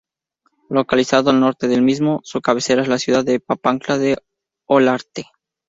Localizado al norte del mismo, su cabecera es la ciudad de Papantla de Olarte.